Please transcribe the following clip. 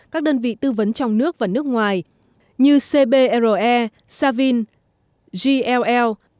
các đơn vị tư vấn trong nước và nước ngoài như cbre savin gll